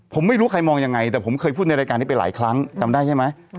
ผมไม่รู้ใครมองยังไงแต่ผมเคยพูดในรายการนี้ไปหลายครั้งจำได้ใช่ไหม